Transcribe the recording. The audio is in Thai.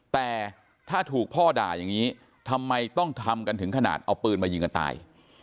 แต่ถ้าถูกพ่อด่าอย่างนี้ทำไมต้องทำกันถึงขนาดเอาปืนมายิงกันตาย